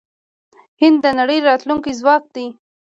هند د نړۍ راتلونکی ځواک دی.